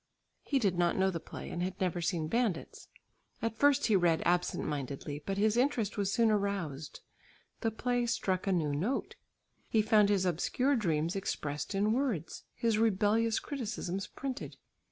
He did not know the play and had never seen bandits. At first he read absent mindedly, but his interest was soon aroused. The play struck a new note. He found his obscure dreams expressed in words; his rebellious criticisms printed.